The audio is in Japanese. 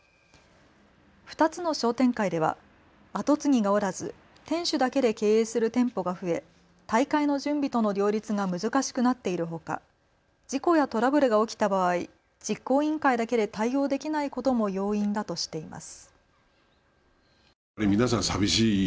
２つの商店会では後継ぎがおらず店主だけで経営する店舗が増え大会の準備との両立が難しくなっているほか事故やトラブルが起きた場合、実行委員会だけで対応できないことも要因だとしています。